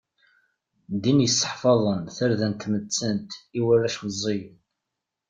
Ddin yesseḥfaḍen tarda n tmettant i warrac meẓẓiyen.